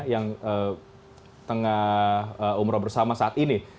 yang tengah umroh bersama saat ini